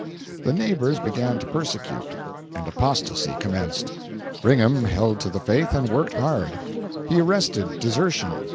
The neighbors began to persecute, and apostasy commenced. Brigham held to the faith and worked hard. He arrested desertion.